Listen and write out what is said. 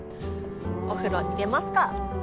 お風呂入れますか！